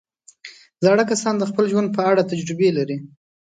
زاړه کسان د خپل ژوند په اړه تجربې لري